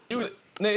ねえ。